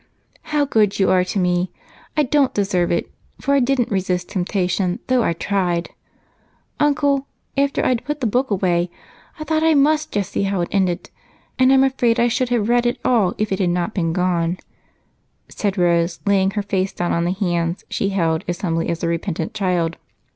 "How good you are to me! I don't deserve it, for I didn't resist temptation, though I tried. Uncle, after I'd put the book away, I thought I must just see how it ended, and I'm afraid I should have read it all if it had not been gone," said Rose, laying her face down on the hands she held as humbly as a repentant child.